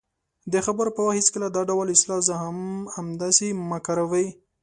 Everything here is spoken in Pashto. -د خبرو پر وخت هېڅکله دا ډول اصطلاح"زه هم همداسې" مه کاروئ :